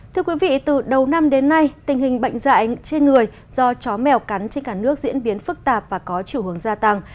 thưa quý vị từ đầu năm đến nay tình hình bệnh dạy trên người do chó mèo cắn trên cả nước diễn biến phức tạp và có chiều hướng gia tăng